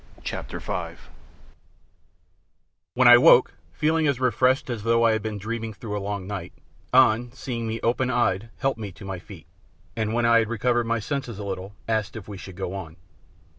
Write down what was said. CHAPTER V When I woke, feeling as refreshed as though I had been dreaming through a long night, An, seeing me open eyed, helped me to my feet, and when I had recovered my senses a little, asked if we should go on.